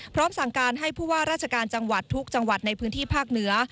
พร้อมสั่งการให้ผู้ว่าราชการจังหวัดทุกจังหวัดในพื้นที่ภาคเหนือ